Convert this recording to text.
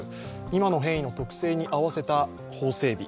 今の変異の特性に合わせた法整備